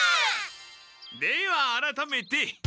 ではあらためて。